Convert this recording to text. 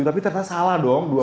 tapi ternyata salah dong